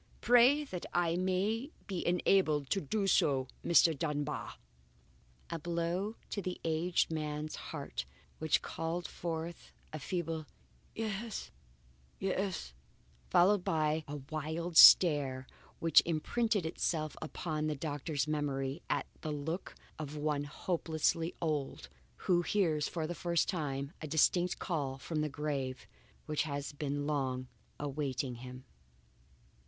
Pray that I may be enabled to do so, Mr. Dunbar." A blow to the aged man's heart which called forth a feeble "Yes, yes," followed by a wild stare which imprinted itself upon the doctor's memory as the look of one hopelessly old, who hears for the first time a distinct call from the grave which has long been awaiting him!